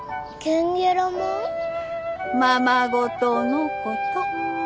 ままごとのこと